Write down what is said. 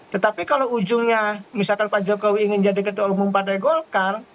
tetapi kalau ujungnya misalkan pak jokowi ingin jadi ketua umum partai golkar